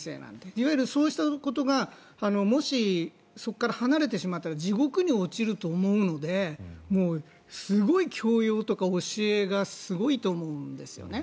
いわゆるそうしたことがもし、そこから離れてしまったら地獄に落ちると思うのでもうすごい強要とか教えとかすごいと思うんですよね。